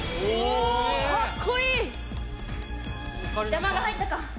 邪魔が入ったか。